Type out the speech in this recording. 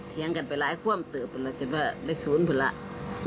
เถียงกันไปหลายความตื่นจริงว่าได้ศูนย์พอแล้ว